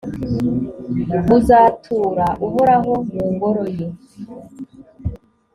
muzatura uhoraho mu ngoro ye.